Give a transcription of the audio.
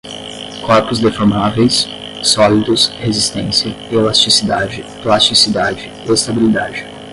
Corpos deformáveis, sólidos, resistência, elasticidade, plasticidade, estabilidade